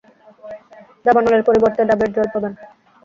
দাবানলের পরিবর্তে ডাবের জল পাবেন।